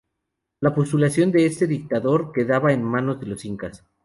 La postulación de este dictador quedaba en manos de los incas.